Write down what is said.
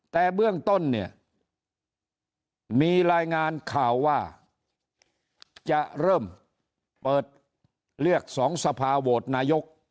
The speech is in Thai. แต่เบื้องต้นเนี่ยมีรายงานข่าวว่าจะเริ่มเปิดเลือกสองสภาโหวตนายก